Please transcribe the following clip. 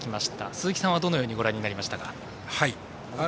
鈴木さんはどのように受け取りましたか。